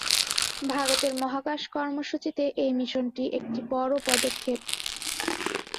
ভারতের মহাকাশ কর্মসূচিতে এই মিশনটি একটি বড়ো পদক্ষেপ।